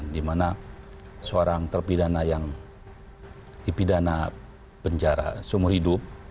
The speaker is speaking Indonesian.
di mana seorang terpidana yang dipidana penjara seumur hidup